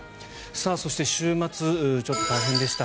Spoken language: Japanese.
そして、週末ちょっと大変でした。